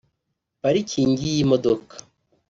parikingi y’imodoka